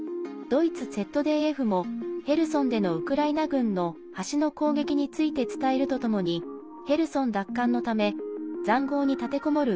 ドイツＺＤＦもヘルソンでのウクライナ軍の橋の攻撃について伝えるとともにヘルソン奪還のためざんごうに立てこもる